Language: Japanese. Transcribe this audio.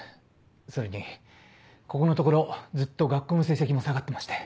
それにここのところずっと学校の成績も下がってまして。